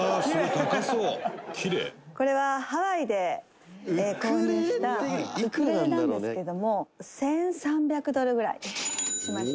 「これはハワイで購入したウクレレなんですけども１３００ドルぐらいしました」